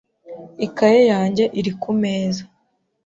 Ikaye yanjye iri kumeza .